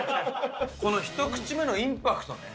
このひと口目のインパクトね。